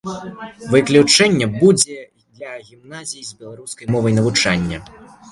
Выключэнне будзе для гімназій з беларускай мовай навучання.